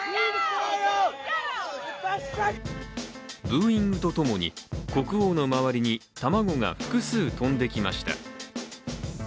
ブーイングとともに、国王の周りに卵が複数飛んできました。